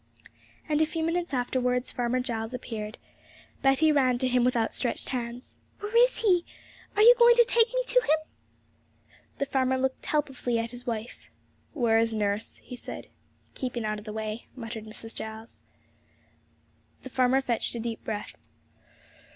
And, a few minutes afterwards, Farmer Giles appeared. Betty ran to him with outstretched hands. 'Where is he? Are you going to take me to him?' The farmer looked helplessly at his wife. 'Where is nurse?' he said. 'Keeping out of the way,' muttered Mrs. Giles. The farmer fetched a deep breath.